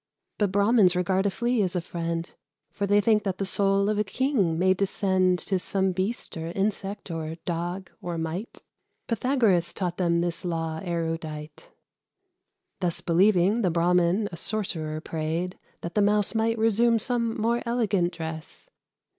But Brahmins regard a flea as a friend, For they think that the soul of a king may descend To some beast, or insect, or dog, or mite, Pythagoras taught them this law erudite. Thus believing, the Brahmin a sorcerer prayed That the Mouse might resume some more elegant dress.